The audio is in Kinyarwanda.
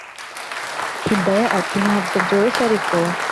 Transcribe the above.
hidaya ati”ntabwo byoroshye ariko